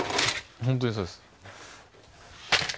本当にそうです。